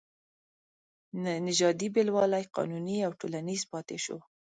نژادي بېلوالی قانوني او ټولنیز پاتې شو.